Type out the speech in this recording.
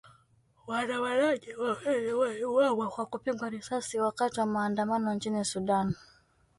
Waandamanaji wawili waliuawa kwa kupigwa risasi wakati wa maandamano nchini Sudan